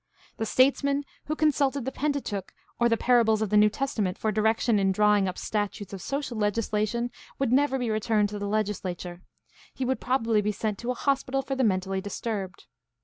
The states man who consulted the Pentateuch or the parables of the New Testament for direction in drawing up statutes of social legislation would never be returned to the legislature; he would probably be sent to a hospital for the mentally dis turbed.